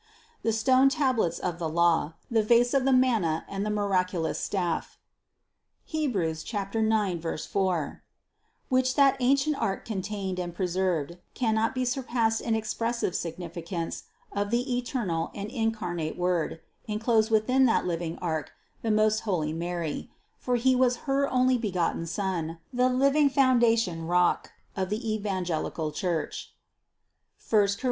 The stone tablets of the law, the vase of the manna and the miraculous staff (Heb. 9, 4), which that ancient ark contained and preserved, cannot be surpassed in expressive significance of the eternal and incarnate Word, enclosed within that living Ark the most holy Mary, for He was her onlybegotten Son, the living foun dation rock of the evangelical Church (I Cor.